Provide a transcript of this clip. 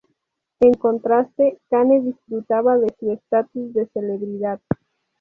En contraste, Kane disfrutaba de su estatus de celebridad.